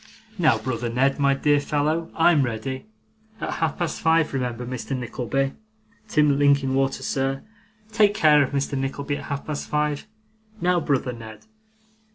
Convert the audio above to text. Now, brother Ned, my dear fellow, I'm ready. At half past five, remember, Mr. Nickleby! Tim Linkinwater, sir, take care of Mr. Nickleby at half past five. Now, brother Ned.